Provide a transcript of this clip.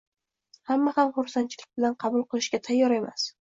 hamma ham xursandchilik bilan qabul qilishga tayyor emas.